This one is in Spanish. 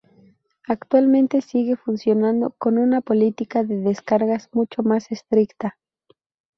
Actualmente sigue funcionando, con una política de descargas mucho más estricta.